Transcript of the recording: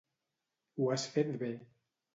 Ho has fet bé.